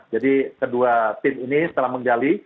jadi kedua tim ini telah menggali